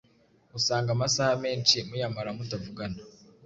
usanga amasaha menshi muyamara mutavugana